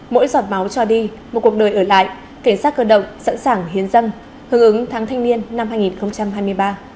mỗi giọt máu cho đi một cuộc đời ở lại cảnh sát cơ động sẵn sàng hiến dân hương ứng tháng thanh niên năm hai nghìn hai mươi ba